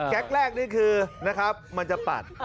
แรกนี่คือนะครับมันจะปัด